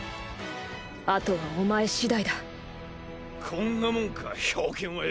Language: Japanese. あとはお前次第だこんなもんか冰剣はよ